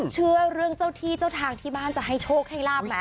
เชื่อเรื่องเจ้าที่เจ้าทางที่บ้านจะให้โชคให้ลาบไหม